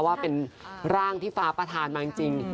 ว่าเป็นร่างที่ฟ้าประธานมาจริง